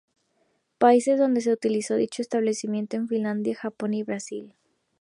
Países donde se utilizó dicho establecimiento en Finlandia, Japón y Brasil.